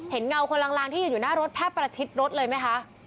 เห็นเงาคนลังที่อยู่หน้ารถแพร่ประชิดรถเลยไหมคะ